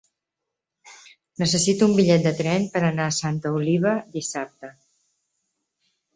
Necessito un bitllet de tren per anar a Santa Oliva dissabte.